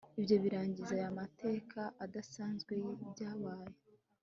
ibyo birangiza aya mateka adasanzwe yibyabaye